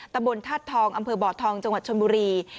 ตะบนธาตุทองอำเภอบ่อทองจังหวัดชนบุรี